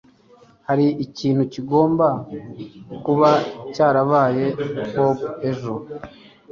hari ikintu kigomba kuba cyarabaye bob ejo